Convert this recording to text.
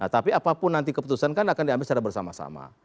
tapi apapun nanti keputusan kan akan diambil secara bersama sama